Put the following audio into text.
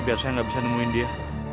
biar saya nggak bisa nemuin dia